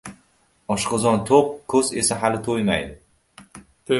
• Oshqozon to‘q, ko‘z esa hali to‘ymadi.